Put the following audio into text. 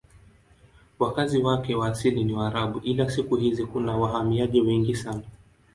Wakazi wake wa asili ni Waarabu ila siku hizi kuna wahamiaji wengi sana.